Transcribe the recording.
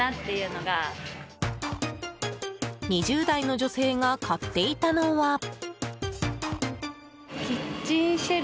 ２０代の女性が買っていたのは。